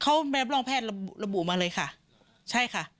เขาไม่รับรองแพทย์ระบุมาเลยค่ะใช่ค่ะ